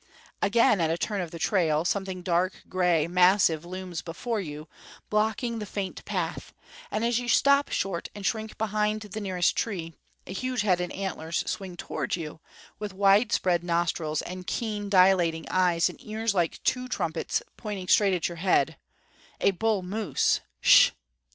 Again, at a turn of the trail, something dark, gray, massive looms before you, blocking the faint path; and as you stop short and shrink behind the nearest tree, a huge head and antlers swing toward you, with widespread nostrils and keen, dilating eyes, and ears like two trumpets pointing straight at your head a bull moose, _sh!